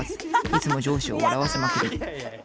いつも上司を笑わせまくり。